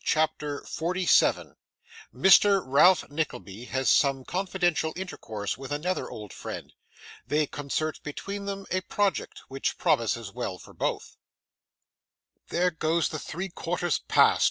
CHAPTER 47 Mr. Ralph Nickleby has some confidential Intercourse with another old Friend. They concert between them a Project, which promises well for both 'There go the three quarters past!